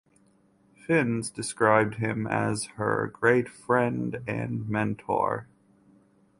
Finnis described him as her "great friend and mentor".